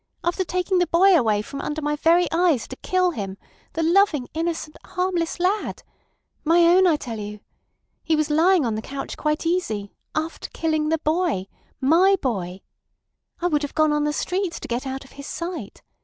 After taking the boy away from under my very eyes to kill him—the loving, innocent, harmless lad. My own, I tell you. He was lying on the couch quite easy—after killing the boy—my boy. I would have gone on the streets to get out of his sight.